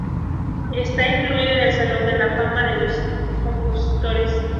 Está incluido en el Salón de la Fama de los Compositores.